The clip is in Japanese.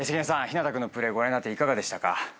陽楽君のプレーご覧になっていかがでしたか？